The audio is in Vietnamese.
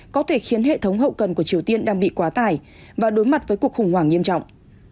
có thể khiến hệ thống hậu cần của triều tiên đang bị quá tải và đối mặt với cuộc khủng hoảng nghiêm trọng